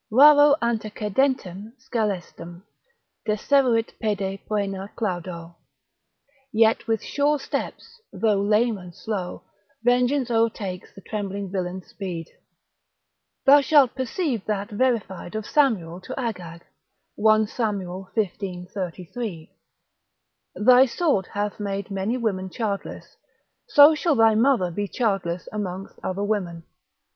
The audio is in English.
Raro antecedentem scelestum Deseruit pede poena claudo. Yet with sure steps, though lame and slow, Vengeance o'ertakes the trembling villain's speed. Thou shalt perceive that verified of Samuel to Agag, 1 Sam. xv. 33. Thy sword hath made many women childless, so shall thy mother be childless amongst other women.